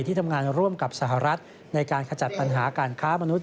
ที่ทำงานร่วมกับสหรัฐในการขจัดปัญหาการค้ามนุษย